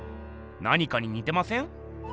なにかににてません？